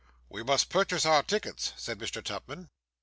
'We must purchase our tickets,' said Mr. Tupman.